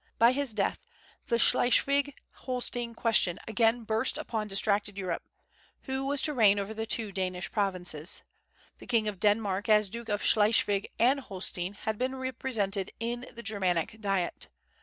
By his death the Schleswig Holstein question again burst upon distracted Europe, Who was to reign over the two Danish provinces? The king of Denmark, as Duke of Schleswig and Holstein, had been represented in the Germanic Diet.